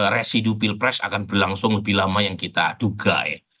residu pilpres akan berlangsung lebih lama yang kita duga ya